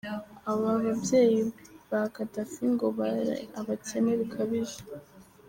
Aba babyeyi ba Gaddafi ngo bari abakene bikabije.